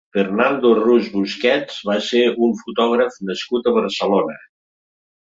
Fernando Rus Busquets va ser un fotògraf nascut a Barcelona.